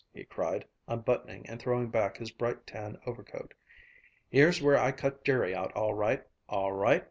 he cried, unbuttoning and throwing back his bright tan overcoat. "Here's where I cut Jerry out all right, all right!